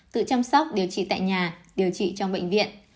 tự chăm sóc điều trị tại nhà điều trị trong bệnh viện